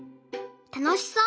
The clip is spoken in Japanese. たのしそう。